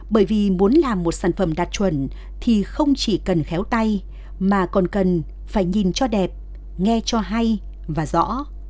bởi vì muốn làm một sản phẩm đạt chuẩn thì không chỉ cần khéo tay mà còn cần phải nhìn cho đẹp nghe cho hay và rõ